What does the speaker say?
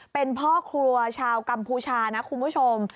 เป็นพ่อครัวชาวกัมพูชานะคุณผู้ชม